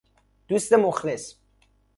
دوست مخلص